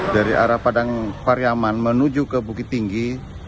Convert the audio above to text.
jalan jalan menuju kota bukit tinggi